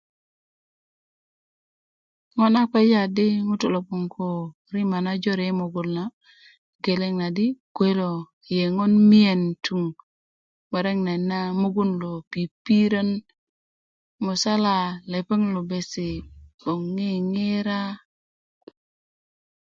ŋo na kpeja di ŋutu' lo gboŋ ko rima na jore yi mugun lo geleŋ na di kuwe lo yeŋon miyen tuŋ murek nayit na mugun lo pipirön musala lepeŋ lo bes gboŋ ŋiŋira